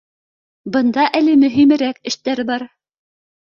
Бында әле мөпимерәк эштәр бар